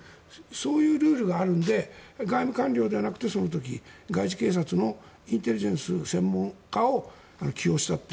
そういうルールがあるので外務官僚ではなくて、その時外事警察のインテリジェンスの専門家を起用したと。